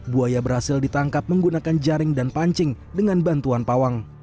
buaya berhasil ditangkap menggunakan jaring dan pancing dengan bantuan pawang